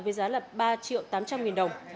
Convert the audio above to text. với giá là ba triệu tám trăm linh nghìn đồng